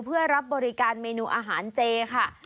เพื่อรับบริการเมนูอาหารเจค่ะ